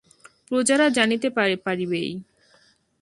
প্রজারা জানিতে পারিবেই।